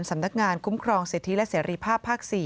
สำนักงานคุ้มครองสิทธิและเสรีภาพภาค๔